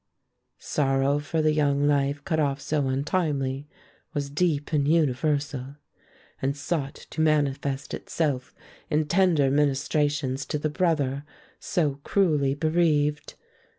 Sorrow for the young life cut off so untimely was deep and universal, and sought to manifest itself in tender ministrations to the brother so cruelly bereaved.